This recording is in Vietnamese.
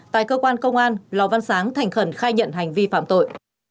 tại cơ quan công an lò văn sáng thành khẩn khai nhận hành vi phạm tội